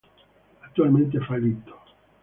Attualmente fallito.